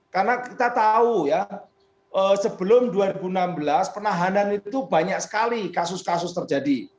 karena kita tahu ya sebelum dua ribu enam belas penahanan itu banyak sekali kasus kasus terjadi